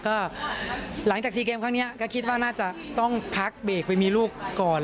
ก็หลังจาก๔เกมครั้งนี้ก็คิดว่าน่าจะต้องพักเบรกไปมีลูกก่อน